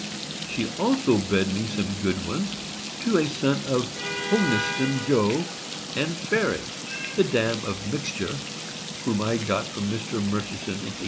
She also bred me some good ones to a son of Hognaston Joe and Fairy, the dam of Mixture, whom I got from Mr. Murchison in 1878.